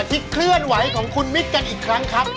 ที่เคลื่อนไหวของคุณมิตรกันอีกครั้งครับ